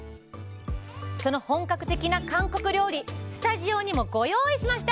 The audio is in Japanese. その本格的な韓国料理スタジオにもご用意しました！